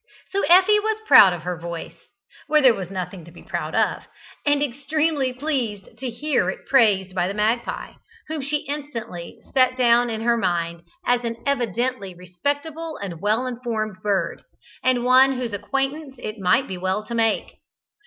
So Effie was proud of her voice where there was nothing to be proud of and extremely pleased to hear it praised by the magpie, whom she instantly set down in her mind as an evidently respectable and well informed bird, and one whose acquaintance it might be well to make.